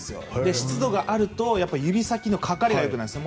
湿度があると指先のかかりが良くないんです。